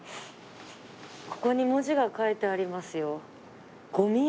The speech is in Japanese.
ここに文字が書いてありますよ。